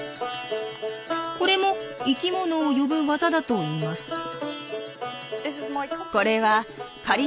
これも生きものを呼ぶワザだといいます。